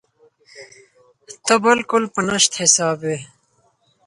ته بالکل په نشت حساب وې.